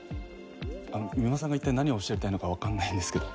三馬さんが一体何をおっしゃりたいのかわからないんですけど。